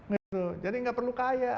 gitu jadi nggak perlu kaya